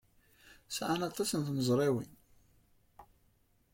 Sɛan aṭas n tmezrawin.